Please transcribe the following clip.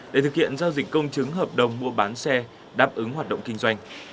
để thực hiện giao dịch công chứng hợp đồng mua bán xe đáp ứng hoạt động kinh doanh